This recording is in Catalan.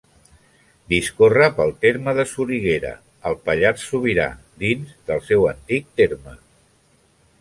Discorre pel terme de Soriguera, al Pallars Sobirà, dins del seu antic terme.